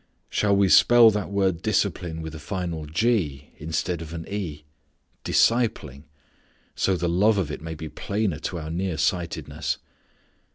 Shall we spell that word discipline with a final g instead of e discipling, so the love of it may be plainer to our near sightedness?